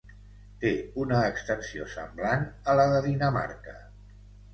Té una extensió semblant a la de Dinamarca.